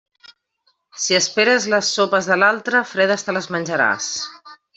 Si esperes les sopes de l'altre, fredes te les menjaràs.